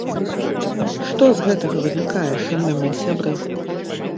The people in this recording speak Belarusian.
Што з гэтага вынікае, шаноўныя сябры?